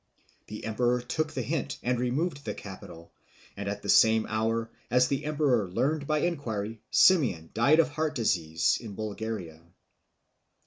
The emperor took the hint and removed the capital, and at the same hour, as the emperor learned by enquiry, Simeon died of heart disease in Bulgaria.